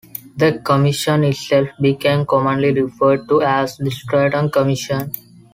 The commission itself became commonly referred to as the Stratton Commission.